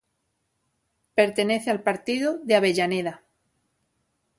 Pertenece al partido de Avellaneda.